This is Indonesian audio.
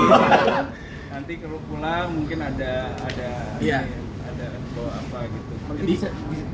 nanti kembali pulang mungkin ada ada ada apa gitu